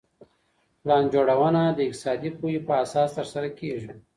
پلان جوړونه د اقتصادي پوهي په اساس ترسره کيږي.